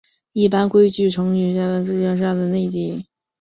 一般矩阵乘积也可以想为是行向量和列向量的内积。